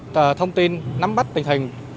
thông tin nắm bắt tình hình